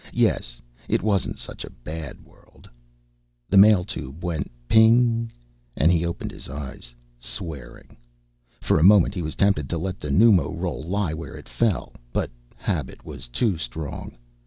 Yes, it wasn't such a bad world. The mail tube went ping! and he opened his eyes, swearing. For a moment he was tempted to let the pneumo roll lie where it fell, but habit was too strong.